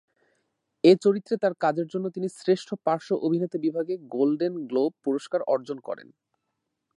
এই চরিত্রে তার কাজের জন্য তিনি শ্রেষ্ঠ পার্শ্ব অভিনেতা বিভাগে গোল্ডেন গ্লোব পুরস্কার অর্জন করেন।